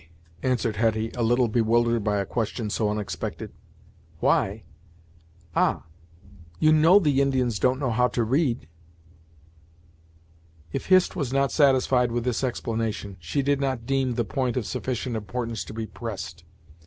answered Hetty, a little bewildered by a question so unexpected. "Why? Ah! you know the Indians don't know how to read." If Hist was not satisfied with this explanation, she did not deem the point of sufficient importance to be pressed.